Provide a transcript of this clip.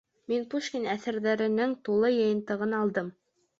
Мин Пушкин әҫәрҙәренең тулы йыйынтығын алдым